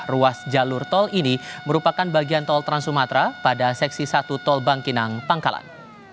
ruas jalur tol ini merupakan bagian tol trans sumatra pada seksi satu tol bangkinang pangkalan